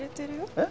えっ？